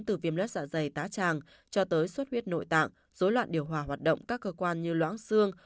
từ viêm lết dạ dày tá tràng cho tới suất huyết nội tạng dối loạn điều hòa hoạt động các cơ quan như loãng xương